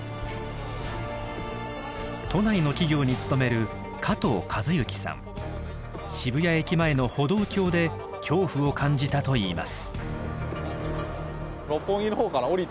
都内の企業に勤める渋谷駅前の歩道橋で恐怖を感じたといいます。